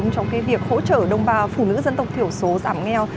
trong cái việc hỗ trợ đông bà phụ nữ dân tộc thiểu số giảm nghèo